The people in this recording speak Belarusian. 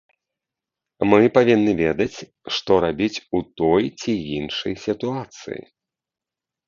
Мы павінны ведаць, што рабіць у той ці іншай сітуацыі.